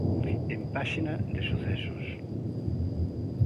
En páxina de sucesos.